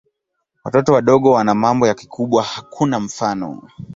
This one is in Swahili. Watoto wadogo wana mambo ya kikubwa hakuna mfano.